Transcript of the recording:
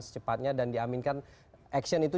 secepatnya dan diaminkan action itu